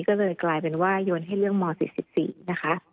ก็เลยกลายเป็นว่าโยนให้เรื่องม๔๔นะคะ